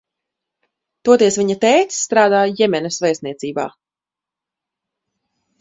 Toties viņa tētis strādā Jemenas vēstniecībā.